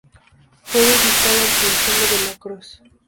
Fue dedicada al pintor Delacroix.